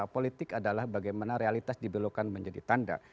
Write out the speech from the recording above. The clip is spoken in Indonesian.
politik adalah bagaimana realitas dibelokan menjadi tanda